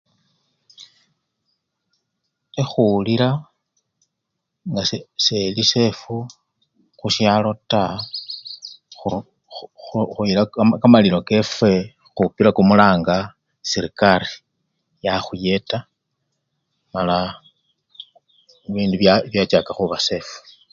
Nga khekhuwulila sekhuli sefu khusyalo taa, khu! khu! khuyila kamalilo kefwe, khupila kumulanga serekari yakhuyeta mala bindu bya! byachaka khuba sefu.